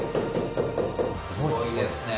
すごいですねえ。